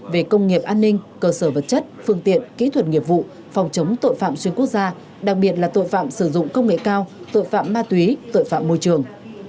về công nghiệp an ninh cơ sở vật chất phương tiện kỹ thuật nghiệp vụ phòng chống tội phạm xuyên quốc gia đặc biệt là tội phạm sử dụng công nghệ cao tội phạm ma túy tội phạm môi trường